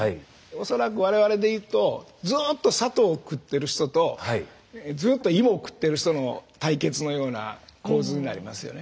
恐らく我々でいうとずっと砂糖を食ってる人とずっと芋を食ってる人の対決のような構図になりますよね。